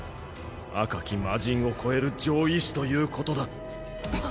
赤き魔神を超える上位種ということだ。